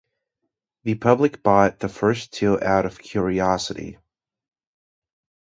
The public bought the first two out of curiosity.